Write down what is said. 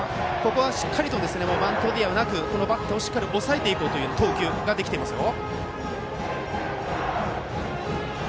しっかりとバントでなくバッターをしっかり抑えていこうという投球ができていますよ。